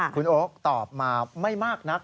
คุณโอ๊คตอบมาไม่มากนัก